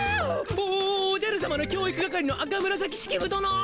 おおおおじゃるさまの教育係の赤紫式部どの。